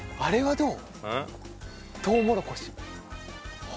どう？